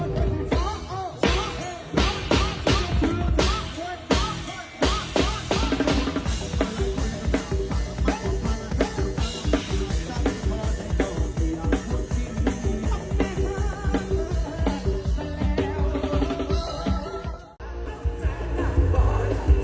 ที่แจ้งเขาค่อยมองค่อย